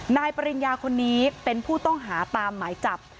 ปริญญาคนนี้เป็นผู้ต้องหาตามหมายจับ